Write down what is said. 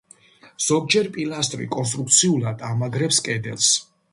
ზოგჯერ პილასტრი კონსტრუქციულად ამაგრებს კედელს.